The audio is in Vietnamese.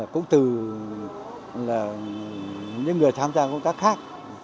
cũng từ những người tham gia công tác khác